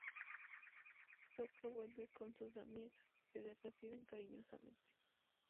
Sokka vuelve con sus amigos, que le reciben cariñosamente.